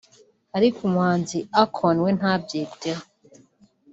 ariko umuhanzi Akon we ntabyiteho